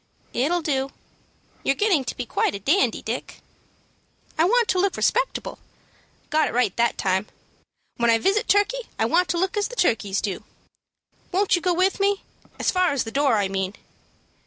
"It'll do. You're getting to be quite a dandy, Dick." "I want to look respectable; got it right that time. When I visit Turkey I want to look as the turkeys do. Won't you go with me, as far as the door, I mean?"